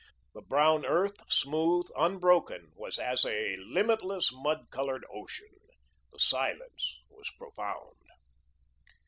The brown earth, smooth, unbroken, was as a limitless, mud coloured ocean. The silence was profound.